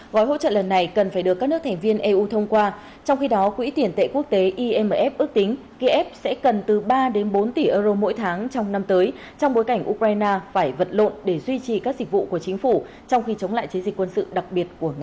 gói hỗ trợ lần này cần phải được các nước thành viên eu thông qua trong khi đó quỹ tiền tệ quốc tế imf ước tính kiev sẽ cần từ ba đến bốn tỷ euro mỗi tháng trong năm tới trong bối cảnh ukraine phải vật lộn để duy trì các dịch vụ của chính phủ trong khi chống lại chiến dịch quân sự đặc biệt của nga